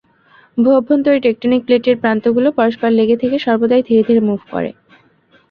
ভূঅভ্যন্তরের ট্যাক্টোনিক প্লেটের প্রান্তগুলো পরস্পর লেগে থেকে সর্বদাই ধীরে ধীরে মুভ করে।